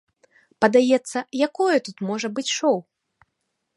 Падаецца, якое тут можа быць шоў?